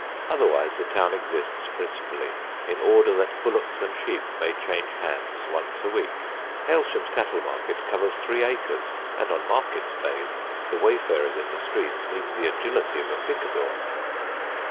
Otherwise the town exists principally in order that bullocks and sheep may change hands once a week. Hailsham's cattle market covers three acres, and on market days the wayfarers in the streets need the agility of a picador.